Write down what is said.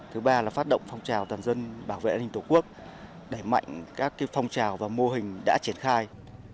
thứ ba là phát động phong trào toàn dân bảo vệ hình tổ quốc đẩy mạnh các phong trào và mô hình đã triển khai